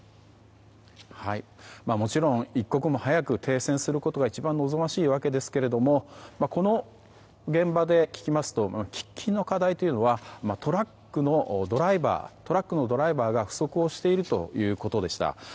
もちろん一刻も早く停戦をすることが一番望ましいわけですがこの現場で聞きますと喫緊の課題というのはトラックのドライバーが不足をしているということでした。